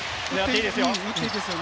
打っていいですよ。